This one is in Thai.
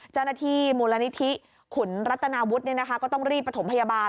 เจ้าหน้าที่มูลนิธิขุนรัตนาวุฒิก็ต้องรีบประถมพยาบาล